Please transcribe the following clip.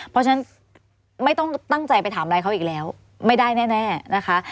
เพราะฉะนั้นไม่ต้องตั้งใจไปถามอะไรเขาอีกแล้วไม่ได้แน่นะคะ